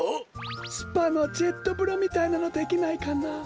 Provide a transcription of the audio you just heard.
スパのジェットぶろみたいなのできないかな？